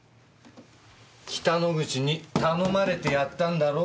北之口に頼まれてやったんだろ？